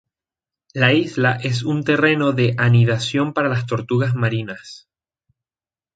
La isla es un terreno de anidación para las tortugas marinas.